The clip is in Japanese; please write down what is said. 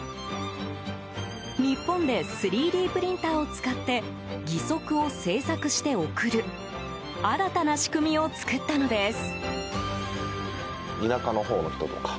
日本で３Ｄプリンターを使って義足を製作して送る新たな仕組みを作ったのです。